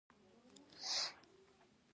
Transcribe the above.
آیا دوی ټولنیزې رسنۍ نه فلټر کوي؟